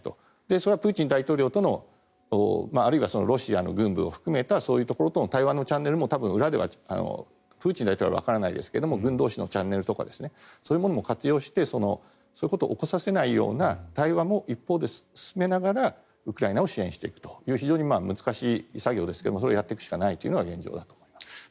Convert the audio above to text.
それはプーチン大統領とのあるいはロシアの軍部を含めたそういうところとの対話のチャンネルも多分裏では、プーチン大統領はわからないですが軍同士のチャンネルとかそういうものも活用してそういうことを起こさせないような対話も一方で進めながらウクライナを支援していくという非常に難しい作業ですがそれをやっていくしかないというのが現状です。